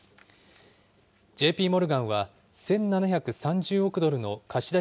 ＪＰモルガンは１７３０億ドルの貸出